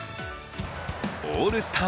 オールスター